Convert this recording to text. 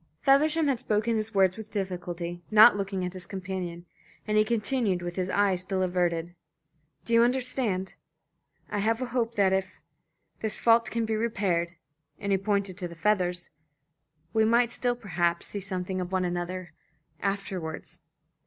Feversham had spoken his words with difficulty, not looking at his companion, and he continued with his eyes still averted: "Do you understand? I have a hope that if this fault can be repaired," and he pointed to the feathers, "we might still, perhaps, see something of one another afterwards."